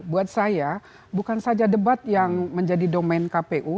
buat saya bukan saja debat yang menjadi domain kpu